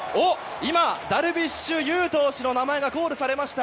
今、ダルビッシュ有投手の名がコールされました。